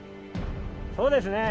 そうですね。